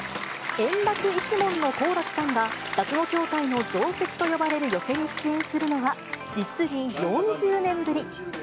圓楽一門の好楽さんが落語協会の定席と呼ばれる寄席に出演するのは、実に４０年ぶり。